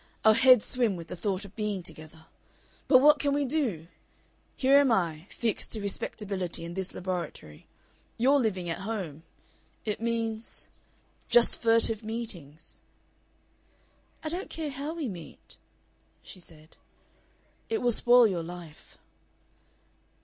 Our heads swim with the thought of being together. But what can we do? Here am I, fixed to respectability and this laboratory; you're living at home. It means... just furtive meetings." "I don't care how we meet," she said. "It will spoil your life."